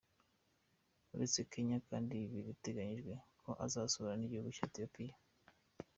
Uretse Kenya kandi biteganyijwe ko azasura n’igihugu cya Ethiopia.